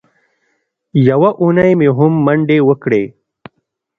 یوه اونۍ مې هم منډې وکړې.